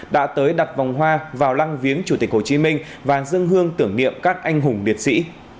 đã tới đặt vòng hoa vào lăng viếng chủ tịch hồ chí minh và dân hương tưởng niệm các anh hùng liệt sĩ